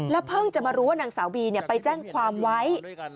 เพิ่งจะมารู้ว่านางสาวบีไปแจ้งความไว้